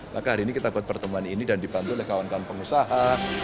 maka hari ini kita buat pertemuan ini dan dibantu oleh kawan kawan pengusaha